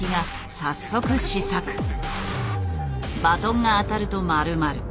バトンが当たると丸まる。